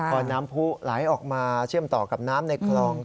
พอน้ำผู้ไหลออกมาเชื่อมต่อกับน้ำในคลอง